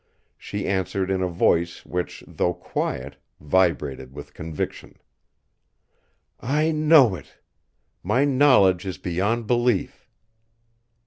She answered in a voice which, though quiet, vibrated with conviction: "I know it! My knowledge is beyond belief!"